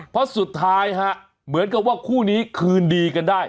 เพราะสุดท้ายฮะเหมือนกับว่าคู่นี้คืนดีกันได้